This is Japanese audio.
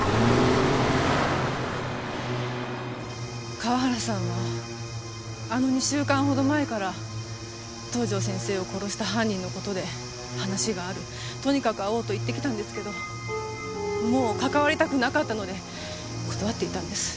河原さんはあの２週間ほど前から東条先生を殺した犯人の事で話があるとにかく会おうと言ってきたんですけどもう関わりたくなかったので断っていたんです。